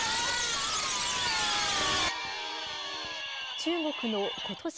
中国のことし